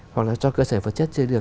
hoặc là cho cơ sở vật chất chưa được